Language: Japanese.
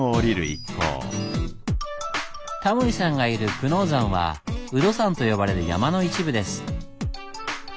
タモリさんがいる久能山は有度山と呼ばれる山の一部です。